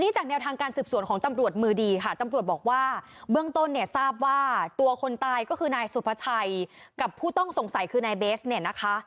จากแนวทางการสืบสวนของตำรวจมือดีค่ะตำรวจบอกว่าเบื้องต้นเนี่ยทราบว่าตัวคนตายก็คือนายสุภาชัยกับผู้ต้องสงสัยคือนายเบสเนี่ยนะคะ